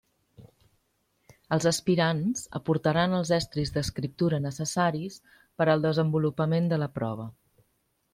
Els aspirants aportaran els estris d'escriptura necessaris per al desenvolupament de la prova.